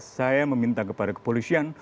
saya meminta kepada kepolisian